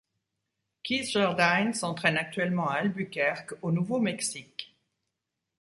Keith Jardine s'entraîne actuellement à Albuquerque au Nouveau-Mexique.